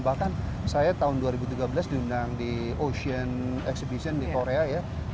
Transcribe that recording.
bahkan saya tahun dua ribu tiga belas diundang di ocean exhibition di korea ya